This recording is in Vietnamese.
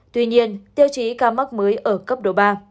tuy nhiên tiêu chí ca mắc mới ở cấp độ ba